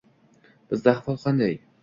Bizda ahvol qanday?..